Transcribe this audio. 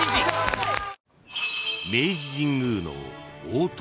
［明治神宮の］